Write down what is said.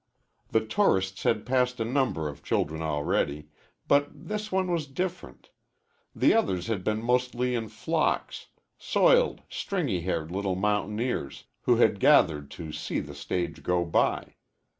The tourists had passed a number of children already, but this one was different. The others had been mostly in flocks soiled, stringy haired little mountaineers, who had gathered to see the stage go by.